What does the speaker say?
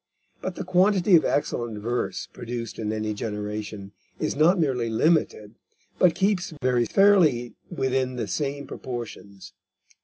But the quantity of excellent verse produced in any generation is not merely limited, but keeps very fairly within the same proportions.